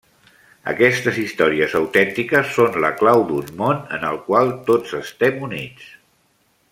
Aquestes històries autèntiques són la clau d'un món en el qual tots estem units.